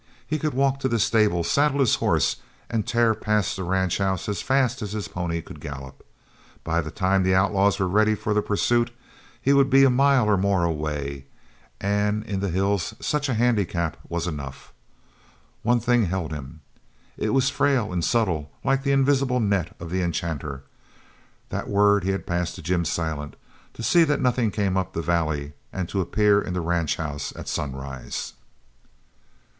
He could walk to the stable, saddle his horse, and tear past the ranch house as fast as his pony could gallop. By the time the outlaws were ready for the pursuit, he would be a mile or more away, and in the hills such a handicap was enough. One thing held him. It was frail and subtle like the invisible net of the enchanter that word he had passed to Jim Silent, to see that nothing came up the valley and to appear in the ranch house at sunrise.